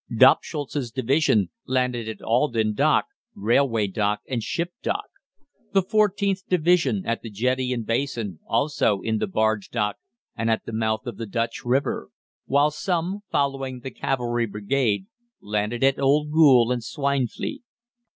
Doppschutz's Division landed at Aldan Dock, Railway Dock, and Ship Dock; the 14th Division at the Jetty and Basin, also in the Barge Dock and at the mouth of the Dutch River; while some, following the cavalry brigade, landed at Old Goole and Swinefleet.